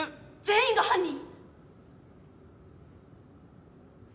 全員が犯人！？